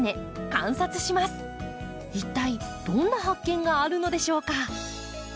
一体どんな発見があるのでしょうか？